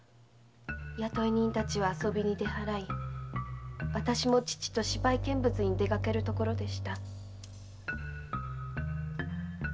雇い人たちは遊びに出払いわたしも父と芝居見物に出かけるところでした。